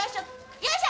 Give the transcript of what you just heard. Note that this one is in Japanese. よいしょ。